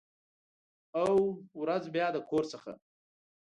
او، ورځ بیا د کور څخه